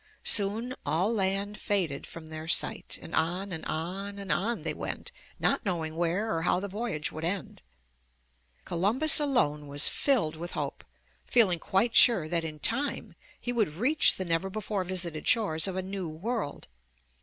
Soon all land faded from their sight, and on, and on, and on they went, not knowing where or how the voyage would end. Columbus alone was filled with hope, feeling quite sure that in time he would reach the never before visited shores of a New World.